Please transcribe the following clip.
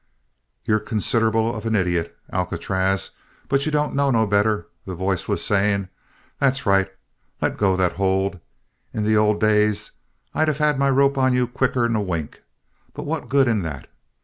"You're considerable of an idiot, Alcatraz, but you don't know no better," the voice was saying. "That's right, let go that hold. In the old days I'd of had my rope on you quicker'n a wink. But what good in that?